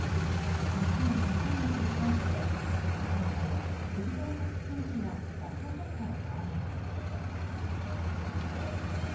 日本は２点を取るチャンスで司令塔・藤澤五月選手がラストショットを投じます。